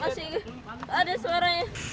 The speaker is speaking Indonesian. masih ada suaranya